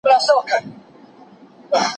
ايا يووالی د حل لاره ده؟